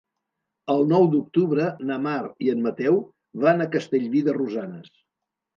El nou d'octubre na Mar i en Mateu van a Castellví de Rosanes.